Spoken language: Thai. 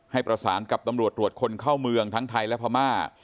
ประสานกับตำรวจตรวจคนเข้าเมืองทั้งไทยและพม่า